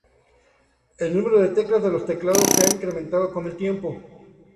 El número de teclas en los teclados se ha incrementado con el tiempo.